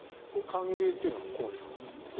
歓迎というのは駒木さんは。